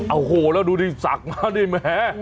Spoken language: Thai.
โอ้โหแล้วดูสักมานี่แหม